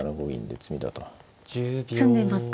詰んでいますか。